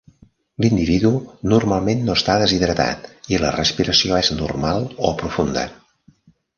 L'individu normalment no està deshidratat i la respiració és normal o profunda.